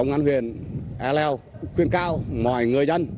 thì công an huyện ill khuyên cao mọi người dân